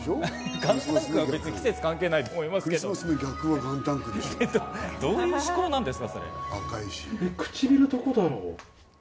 ガンタンクは季節関係ないと思いますけど、どういう思考なんですか？